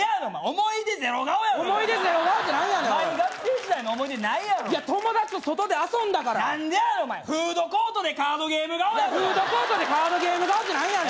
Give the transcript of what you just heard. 思い出ゼロ顔って何やねんお前に学生時代の思い出ないやろ友達と外で遊んだから何でやねんフードコートでカードゲーム顔やろフードコートでカードゲーム顔って何やねん